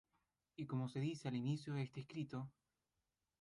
Y como se dice al inicio de este escrito.